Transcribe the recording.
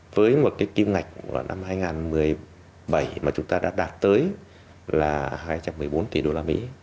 với một cái kim ngạch năm hai nghìn một mươi bảy mà chúng ta đã đạt tới là hai trăm một mươi bốn tỷ đô la mỹ